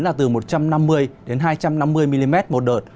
là từ một trăm năm mươi đến hai trăm năm mươi mm một đợt